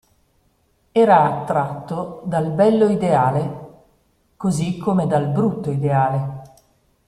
Era attratto dal bello ideale, così come dal brutto ideale.